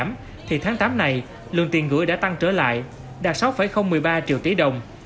hàng liên tục giảm thì tháng tám này lượng tiền gửi đã tăng trở lại đạt sáu một mươi ba triệu tỷ đồng